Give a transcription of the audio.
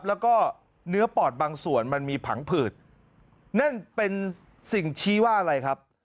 แล้วก็เนื้อปอดบางส่วนมันมีผังผืดนั่นเป็นสิ่งชี้ว่าอะไรครับ